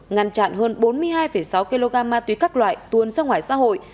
ngăn chặn hơn bốn mươi hai sáu kg ma túy các loại tuôn ra ngoài xã hội